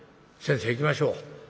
先生いきましょう。